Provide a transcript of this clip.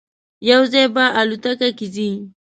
یو ځای به الوتکه کې ځی.